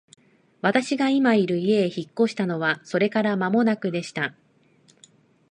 私が今居る家へ引っ越したのはそれから間もなくでした。